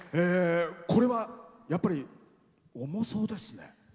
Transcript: これは、やっぱり重そうですね。